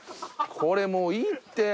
これもういいって！